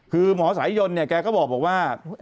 คือหมอสายยนเนี่ยแกก็บอกว่า